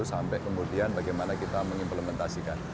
sampai kemudian bagaimana kita mengimplementasikan